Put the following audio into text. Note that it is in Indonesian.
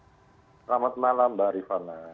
selamat malam mbak rifana